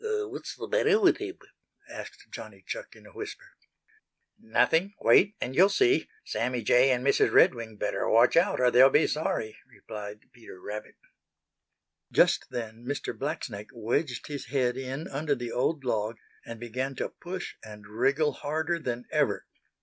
"What's the matter with him?" asked Johnny Chuck in a whisper. "Nothing. Wait and you'll see. Sammy Jay and Mrs. Redwing better watch out or they'll be sorry," replied Peter Rabbit. Just then Mr. Blacksnake wedged his head in under the old log and began to push and wriggle harder than ever.